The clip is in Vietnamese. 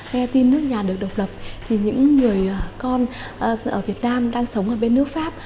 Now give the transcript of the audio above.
nghe tin nước nhà được độc lập thì những người con ở việt nam đang sống ở bên nước pháp